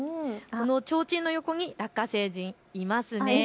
ちょうちんの横にラッカ星人がいますね。